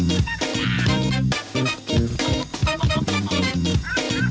เผ้าใส่ไข่ซบกว่าไข่ไหม้กว่าเดิม